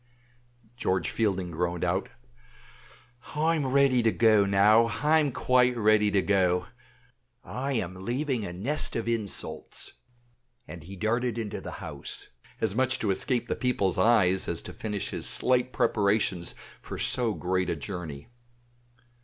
George Fielding groaned out, "I'm ready to go now I'm quite ready to go I am leaving a nest of insults;" and he darted into the house, as much to escape the people's eyes as to finish his slight preparations for so great a journey.